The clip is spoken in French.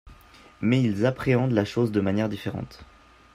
Mais ils appréhendent la chose de manière différente.